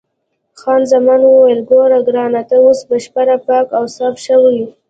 خان زمان وویل: ګوره ګرانه، ته اوس بشپړ پاک او صاف شوې.